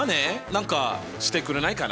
何かしてくれないかな？